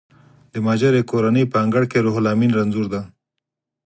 د مهاجرې کورنۍ په انګړ کې روح لامین رنځور دی